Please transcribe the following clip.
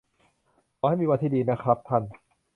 ขอให้มีวันที่ดีนะครับท่าน